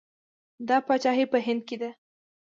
دا پاچاهي په هند کې ده.